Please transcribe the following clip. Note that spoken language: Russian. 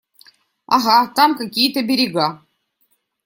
Ага, там какие-то берега.